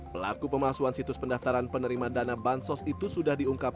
pelaku pemasuhan situs pendaftaran penerima dana bantuan sosial itu sudah diungkap